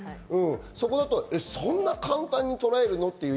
そこだとそんな簡単にとらえるの？って。